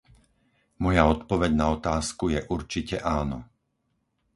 Moja odpoveď na otázku je určite áno.